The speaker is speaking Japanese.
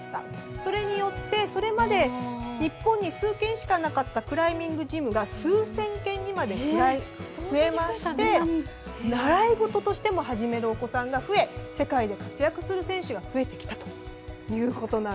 それによって、それまで日本に数軒しかなかったクライミングジムが数千軒にまで増えまして、習い事としても始めるお子さんが増え世界で活躍する方が増えてきたと。